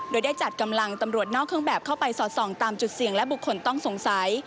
โดยได้จัดกำลังตำรวจนอกเครื่องแบบเข้าไปสอดส่องตามจุดเสี่ยงและบุคคลต้องสงสัย